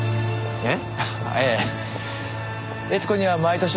えっ？